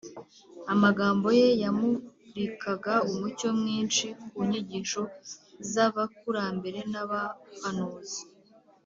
amagambo ye yamurikaga umucyo mwinshi ku nyigisho z’abakurambere n’abahanuzi